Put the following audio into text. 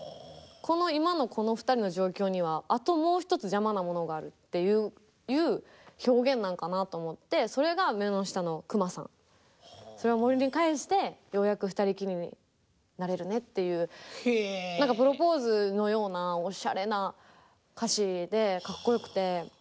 この今のこの二人の状況にはあともう一つ邪魔なものがあるっていう表現なんかなと思ってそれが目の下のクマさんそれを森に帰してようやく二人きりになれるねっていう何かプロポーズのようなおしゃれな歌詞でかっこよくて。